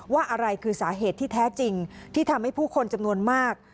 อะไรคือสาเหตุที่แท้จริงที่ทำให้ผู้คนจำนวนมาก